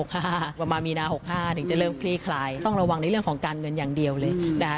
ประมาณมีนา๖๕ถึงจะเริ่มคลี่คลายต้องระวังในเรื่องของการเงินอย่างเดียวเลยนะคะ